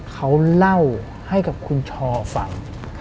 เขาเล่าให้กับคุณชอฟัง